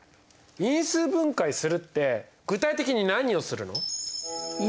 因数分解するって具体的に何をするの？